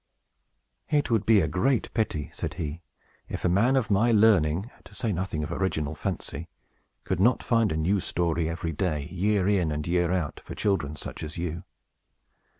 "It would be a great pity," said he, "if a man of my learning (to say nothing of original fancy) could not find a new story every day, year in and year out, for children such as you.